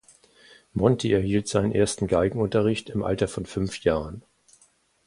Monti erhielt seinen ersten Geigenunterricht im Alter von fünf Jahren.